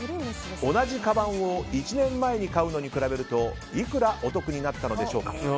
同じかばんを１年前に買うのに比べるといくらお得になったのでしょうか。